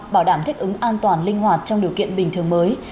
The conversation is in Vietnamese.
bảo đảm thích ứng an toàn linh hoạt trong điều kiện bình thường mới